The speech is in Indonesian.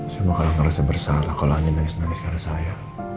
semua kalau ngerasa bersalah kalau hanya nangis nangis karena saya